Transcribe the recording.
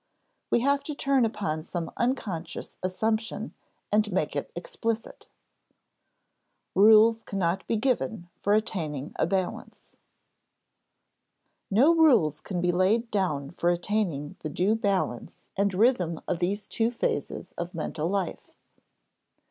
We have to turn upon some unconscious assumption and make it explicit. [Sidenote: Rules cannot be given for attaining a balance] No rules can be laid down for attaining the due balance and rhythm of these two phases of mental life.